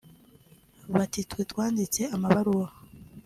bati twe twanditse amabaruwa